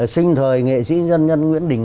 sinh thời nghệ sĩ nhân nhân nguyễn định